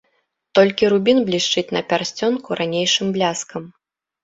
Толькі рубін блішчыць на пярсцёнку ранейшым бляскам.